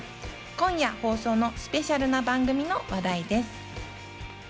今夜放送のスペシャルな番組の話題です。